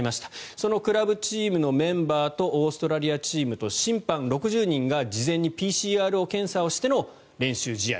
そのクラブチームのメンバーとオーストラリアチームのメンバーと審判、６０人が事前にＰＣＲ検査をしての練習試合。